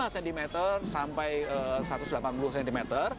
satu ratus lima puluh lima cm sampai satu ratus delapan puluh cm